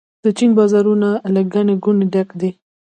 د چین بازارونه له ګڼې ګوڼې ډک دي.